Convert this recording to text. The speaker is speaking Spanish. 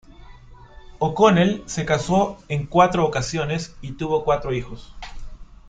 O'Connell se casó en cuatro ocasiones y tuvo cuatro hijos.